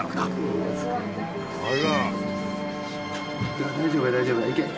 大丈夫だ大丈夫だ。